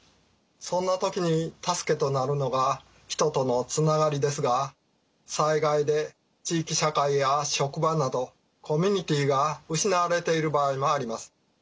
そんな時に助けとなるのが人とのつながりですが災害で地域社会や職場などコミュニティーが失われている場合もあります。